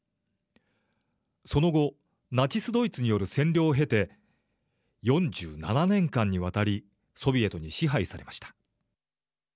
その後ナチス・ドイツによる占領を経て４７年間にわたりソビエトに支配されました。